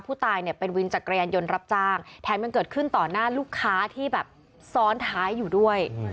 ผู้ตายเนี่ยเป็นวินจักรยานยนต์รับจ้างแถมยังเกิดขึ้นต่อหน้าลูกค้าที่แบบซ้อนท้ายอยู่ด้วย